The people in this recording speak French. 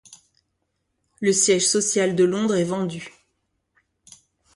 Le siège social de Londres est vendu.